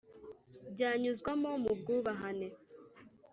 byanyuzwamo mu bwubahane